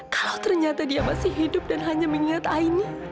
kalau ternyata dia masih hidup dan hanya mengingat aini